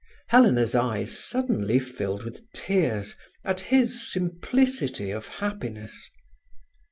Helena's eyes suddenly filled with tears, at his simplicity of happiness.